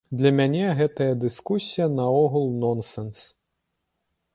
Для мяне гэтая дыскусія наогул нонсенс.